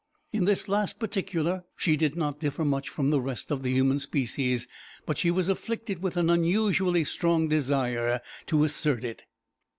In this last particular she did not differ much from the rest of the human species, but she was afflicted with an unusually strong desire to assert it.